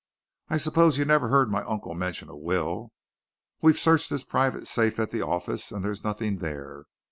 "I suppose you never heard my uncle mention a will? We've searched his private safe at the office and there's nothing there.